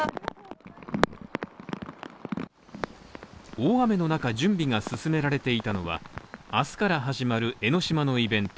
大雨の中準備が進められていたのは、明日から始まる江の島のイベント